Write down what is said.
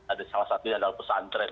ada salah satu yang dikenal pesantren